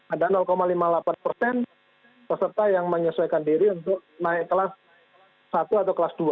ada lima puluh delapan persen peserta yang menyesuaikan diri untuk naik kelas satu atau kelas dua